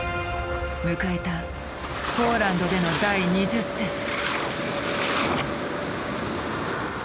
迎えたポーランドでの第２０戦。